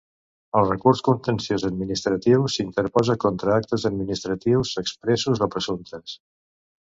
El recurs contenciós administratiu s'interposa contra actes administratius expressos o presumptes.